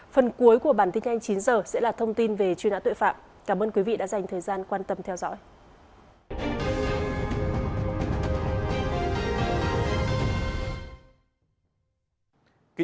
phần cuối của bản tin nhanh chín giờ sẽ là thông tin về truy nã tội phạm cảm ơn quý vị đã dành thời gian quan tâm theo dõi